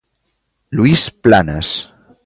Luís Planas.